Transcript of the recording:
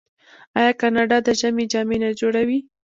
آیا کاناډا د ژمي جامې نه جوړوي؟